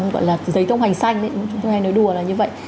gọi là giấy tông hành xanh đấy chúng ta hay nói đùa là như vậy